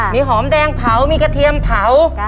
มีหอมแดงเผามีกระเทียมเผา